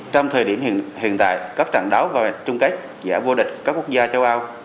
trong thời điểm hiện tại các trận đáo vào trung kết giải vô địch các quốc gia châu âu